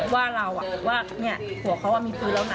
ว่าเราว่านี่หัวเขาว่ามีฟื้นแล้วนะ